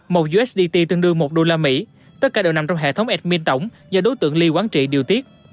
một usdt tương đương một usd tất cả đều nằm trong hệ thống admin tổng do đối tượng ly quán trị điều tiết